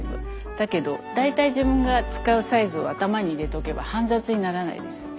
だけど大体自分が使うサイズを頭に入れとけば煩雑にならないですよね。